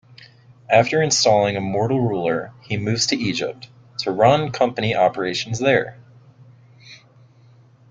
After installing a mortal ruler, he moves to Egypt, to run Company operations there.